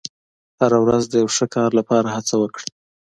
• هره ورځ د یو ښه کار لپاره هڅه وکړه.